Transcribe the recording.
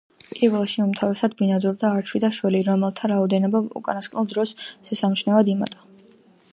პირველში უმთავრესად ბინადრობდა არჩვი და შველი, რომელთა რაოდენობამ უკანასკნელ დროს შესამჩნევად იმატა.